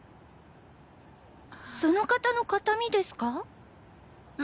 その方の形見ですか？